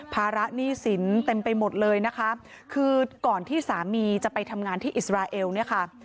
ภาระหนี้สินเต็มไปหมดเลยนะคะคือก่อนที่สามีจะไปทำงานที่อิสราเอลเนี่ยค่ะ